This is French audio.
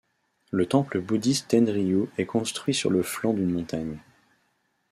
Le temple bouddhiste Tenryū est construit sur le flanc d'une montagne.